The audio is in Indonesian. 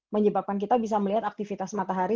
menyebabkan kita bisa melihat aktivitas matahari